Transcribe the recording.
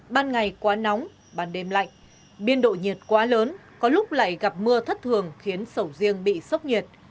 ban ngày quá nóng ban đêm lạnh biên độ nhiệt quá lớn có lúc lại gặp mưa thất thường khiến sầu riêng bị sốc nhiệt